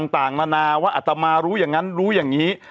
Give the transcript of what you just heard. ต่างนานาว่าอัตมารู้อย่างนั้นรู้อย่างนี้